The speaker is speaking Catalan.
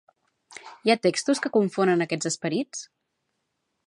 Hi ha textos que confonen aquests esperits?